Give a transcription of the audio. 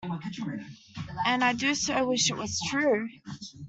And I do so wish it was true!